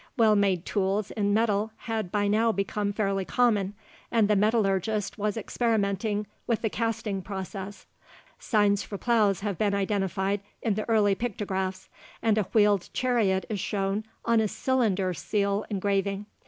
Well made tools in metal had by now become fairly common, and the metallurgist was experimenting with the casting process. Signs for plows have been identified in the early pictographs, and a wheeled chariot is shown on a cylinder seal engraving.